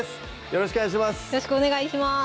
よろしくお願いします